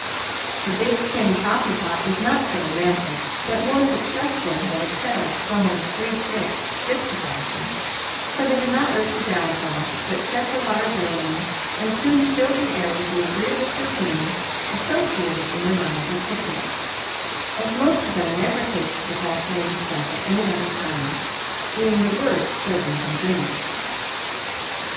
The big tin coffee pot was not so romantic, but more successful than a kettle slung on three sticks, gypsy fashion; so they did not risk a downfall, but set the water boiling, and soon filled the air with the agreeable perfume associated in their minds with picnics, as most of them never tasted the fascinating stuff at any other time, being the worst children can drink.